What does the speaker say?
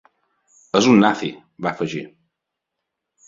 És un nazi, va afegir.